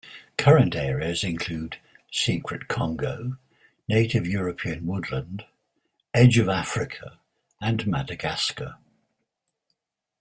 Current areas include: Secret Congo, native European woodland, Edge of Africa and Madagascar.